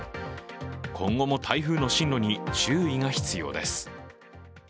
今後も台風の進路に注意が必要です。